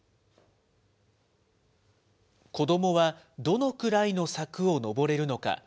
子どもはどのくらいの柵を登れるのか。